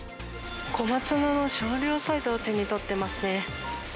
小松菜の少量サイズを手に取ってますね。